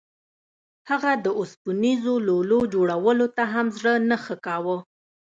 هغه د اوسپنیزو لولو جوړولو ته هم زړه نه ښه کاوه